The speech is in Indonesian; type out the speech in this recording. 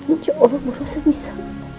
insya allah bu rosemisa